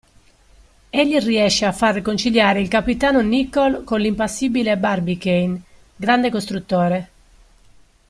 Egli riesce a far riconciliare il capitano Nicholl con l'impassibile Barbicane, grande costruttore.